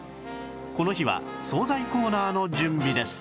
この日は惣菜コーナーの準備です